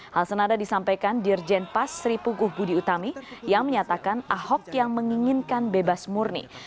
hal senada disampaikan dirjen pas sri puguh budi utami yang menyatakan ahok yang menginginkan bebas murni